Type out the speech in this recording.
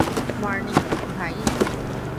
Morning, ভাই!